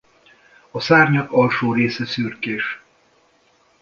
A szárnyak alsó része szürkés.